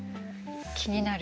気になる？